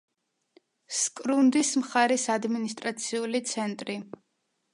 სკრუნდის მხარის ადმინისტრაციული ცენტრი.